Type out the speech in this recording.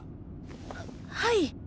ははい。